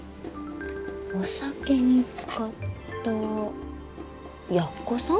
お酒に漬かった奴さん？